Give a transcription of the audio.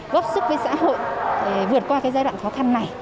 góp sức với xã hội để vượt qua giai đoạn khó khăn này